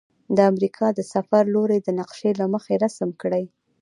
د امریکا د سفر لوري د نقشي له مخې رسم کړئ.